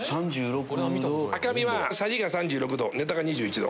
赤身はシャリが３６℃ネタが２１℃。